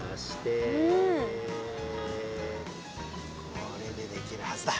これでできるはずだ。